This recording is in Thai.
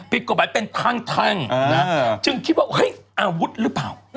ผิดกฎหมายเป็นแท่งจึงคิดว่าเฮ้ยอาวุธหรือเปล่า